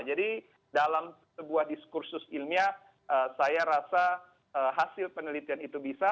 jadi dalam sebuah diskursus ilmiah saya rasa hasil penelitian itu bisa